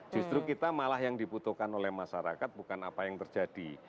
justru kita malah yang dibutuhkan oleh masyarakat bukan apa yang terjadi